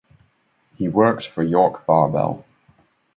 He worked for York Barbell.